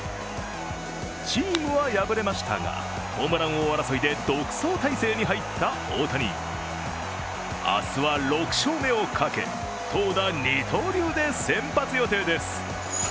チームは敗れましたが、ホームラン王争いで独走態勢に入った大谷、明日は６勝目をかけ、投打二刀流で先発予定です。